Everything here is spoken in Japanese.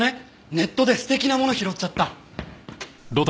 ネットで素敵なもの拾っちゃった。